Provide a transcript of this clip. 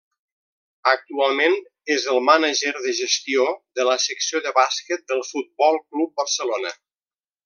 Actualment és el mànager de gestió de la secció de bàsquet del Futbol Club Barcelona.